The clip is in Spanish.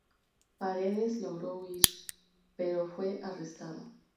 Paredes logró huir, pero fue arrestado.